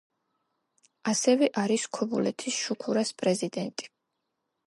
ასევე არის ქობულეთის „შუქურას“ პრეზიდენტი.